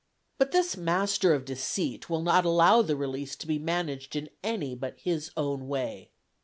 But this master of deceit will not allow the release to be managed in any but his own way.